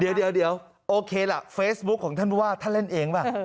เดี๋ยวเดี๋ยวเดี๋ยวโอเคล่ะเฟซบุ๊กของท่านผู้ว่าท่านเล่นเองป่ะ